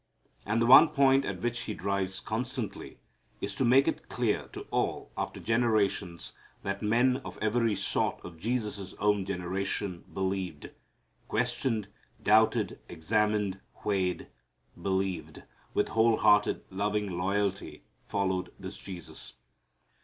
And the one point at which he drives constantly is to make it clear to all after generations that men of every sort of Jesus' own generation believed; questioned, doubted, examined, weighed, believed, with whole hearted loving loyalty followed this Jesus.